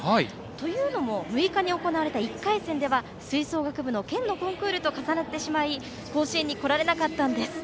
というのも、６日の１回戦では吹奏楽部の県のコンクールと重なってしまい甲子園に来られなかったんです。